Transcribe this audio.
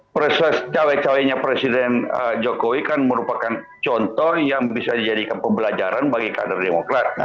presiden cawek caweknya presiden jokowi kan merupakan contoh yang bisa dijadikan pebelajaran bagi kader demokrat